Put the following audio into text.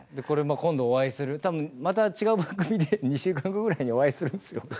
これ今度お会いする多分また違う番組で２週間後ぐらいにお会いするんですよ。